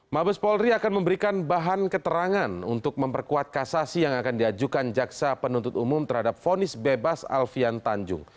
mabes polri akan memberikan bahan keterangan untuk memperkuat kasasi yang akan diajukan jaksa penuntut umum terhadap fonis bebas alfian tanjung